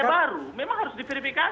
karena partai baru memang harus diverifikasi